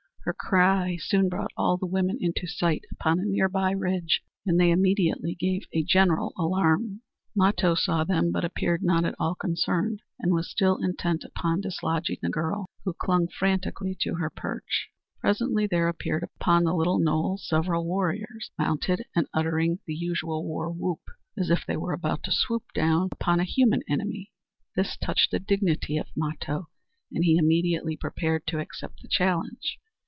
Her cry soon brought all the women into sight upon a near by ridge, and they immediately gave a general alarm. Mato saw them, but appeared not at all concerned and was still intent upon dislodging the girl, who clung frantically to her perch. Presently there appeared upon the little knoll several warriors, mounted and uttering the usual war whoop, as if they were about to swoop down upon a human enemy. This touched the dignity of Mato, and he immediately prepared to accept the challenge.